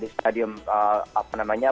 di stadium apa namanya